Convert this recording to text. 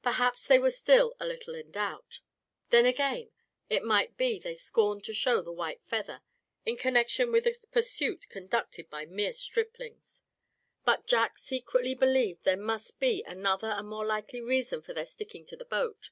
Perhaps they were still a little in doubt. Then, again, it might be they scorned to show the white feather in connection with a pursuit conducted by mere striplings. But Jack secretly believed there must be another and more likely reason for their sticking to the boat.